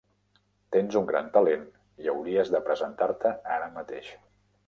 Tens un gran talent i hauries de presentar-te ara mateix.